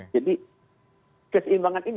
jadi keseimbangan ini